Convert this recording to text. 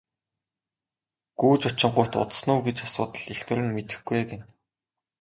Гүйж очингуут удсан уу гэж асуутал эхнэр нь мэдэхгүй ээ гэнэ.